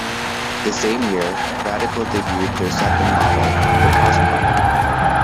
The same year, Radical debuted their second model, the Prosport.